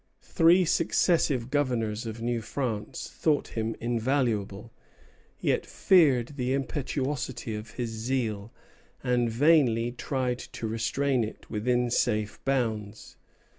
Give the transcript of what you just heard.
Three successive governors of New France thought him invaluable, yet feared the impetuosity of his zeal, and vainly tried to restrain it within safe bounds.